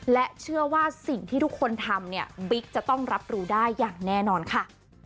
และเชื่อว่าสิ่งที่ทุกคนทำเนี่ยบิ๊กจะต้องรับรู้ได้อย่างแน่นอนค่ะ